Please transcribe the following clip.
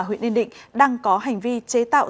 huyện yên định đang có hành vi chế tạo